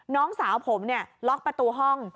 น้องสาวผมเนี่ยล็อกประตูห้อง